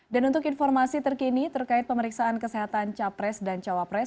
dan untuk informasi terkini terkait pemeriksaan kesehatan capres dan cawapres